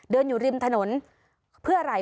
อยู่ริมถนนเพื่ออะไร